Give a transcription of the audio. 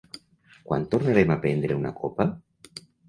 Quan tornarem a prendre una copa?